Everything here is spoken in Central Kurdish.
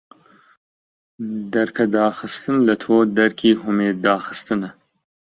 دەرکەداخستن لە تۆ دەرکی هومێد داخستنە